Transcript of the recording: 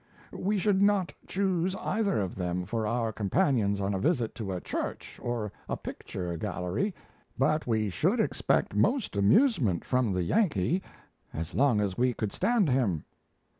We should not choose either of them for our companions on a visit to a church or a picture gallery, but we should expect most amusement from the Yankee as long as we could stand him."